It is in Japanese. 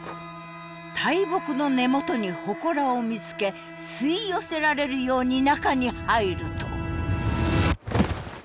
大木の根元に祠を見つけ吸い寄せられるように中に入ると。